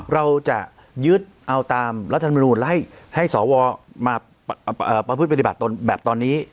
เราจะยึดเอาตามรัฐธรรมนูลให้สวมาประพฤติปฏิบัติตนแบบตอนนี้